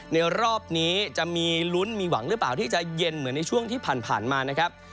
ในรอบนี้จะมีลุ้นมีหวังหรือเปล่าที่จะเย็นเหมือนในช่วงที่ผ่านมานะครับ